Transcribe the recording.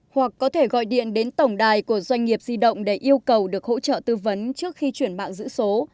hoặc có thể gọi điện đến tổng đài của doanh nghiệp di động để yêu cầu được hỗ trợ tư vấn trước khi chuyển mạng giữ số